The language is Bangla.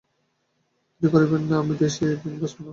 দেরি করিবেন না— আমি বেশি দিন বাঁচিব না।